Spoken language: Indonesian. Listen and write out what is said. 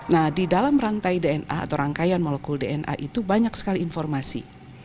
nah di dalam rantai dna atau rangkaian molekul dna itu banyak sekali informasi